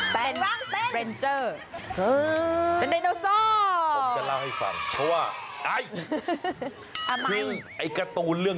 เป็นรังเป็น